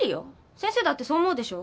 先生だってそう思うでしょ？